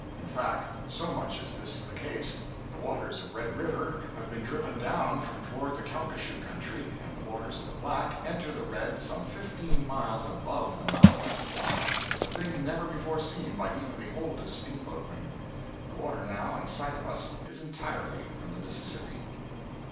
In fact, so much is this the case, the waters of Red River have been driven down from toward the Calcasieu country, and the waters of the Black enter the Red some fifteen miles above the mouth of the former, a thing never before seen by even the oldest steamboatmen. The water now in sight of us is entirely from the Mississippi.